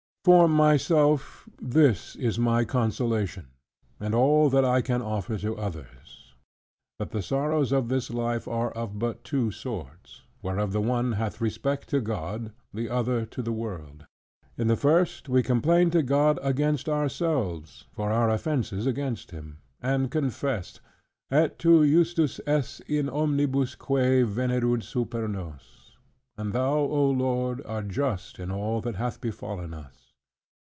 For myself, this is my consolation, and all that I can offer to others, that the sorrows of this life are but of two sorts: whereof the one hath respect to God, the other, to the world. In the first we complain to God against ourselves, for our offences against Him; and confess, "Et Tu Justus es in omnibus quae venerunt super nos." "And Thou, O Lord, are just in all that hath befallen us."